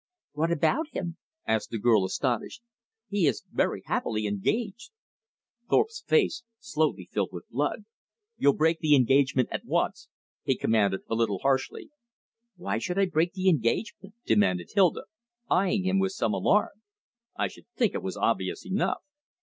"What about him?" asked the girl, astonished. "He is very happily engaged." Thorpe's face slowly filled with blood. "You'll break the engagement at once," he commanded a little harshly. "Why should I break the engagement?" demanded Hilda, eying him with some alarm. "I should think it was obvious enough."